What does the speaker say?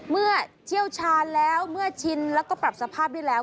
เชี่ยวชาญแล้วเมื่อชินแล้วก็ปรับสภาพได้แล้ว